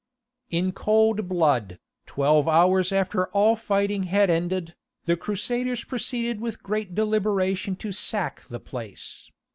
In cold blood, twelve hours after all fighting had ended, the Crusaders proceeded with great deliberation to sack the place.